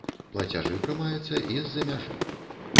Плацяжы прымаюцца і з-за мяжы.